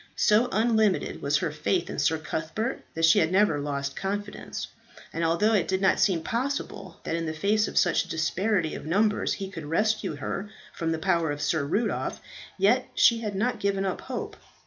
So unlimited was her faith in Sir Cuthbert that she had never lost confidence; and although it did not seem possible that in the face of such disparity of numbers he could rescue her from the power of Sir Rudolph, yet she had not given up hope.